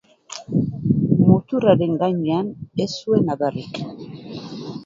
Muturraren gainean ez zuen adarrik.